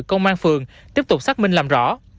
công an phường tiếp tục xác minh làm rõ